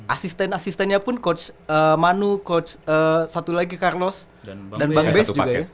asisten asistennya pun coach manu coach satu lagi carlos dan bang bes juga ya